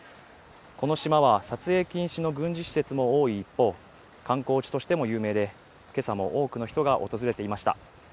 この島は撮影禁止の軍事施設も多い一方観光地としても有名で今朝も多くの人が訪れていました